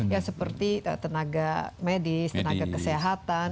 ya seperti tenaga medis tenaga kesehatan